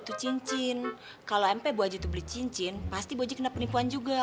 tuh cincin kalau mp dua jitu beli cincin pasti bocik penipuan juga